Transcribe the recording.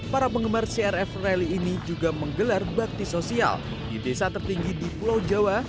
para penggemar crf rally ini juga menggelar bakti sosial di desa tertinggi di pulau jawa